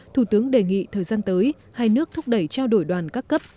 thủ tướng đề nghị thời gian tới hai nước thúc đẩy trao đổi đoàn các cấp